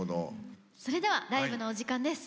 それではライブのお時間です。